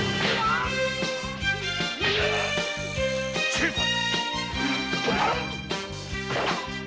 成敗！